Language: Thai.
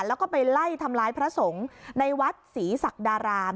แล้วก็ไปไล่ทำร้ายพระสงฆ์ในวัดศรีศักดาราม